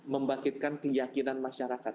membangkitkan keyakinan masyarakat